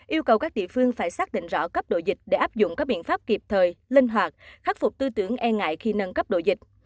yêu cầu các địa phương phải xác định rõ cấp độ dịch để áp dụng các biện pháp kịp thời linh hoạt khắc phục tư tưởng e ngại khi nâng cấp độ dịch